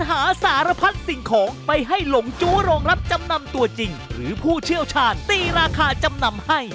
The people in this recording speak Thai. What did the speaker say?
หรือหลงจุโรงรับจำนำตัวจริงหรือผู้เชี่ยวชาญตีราคาจำนำให้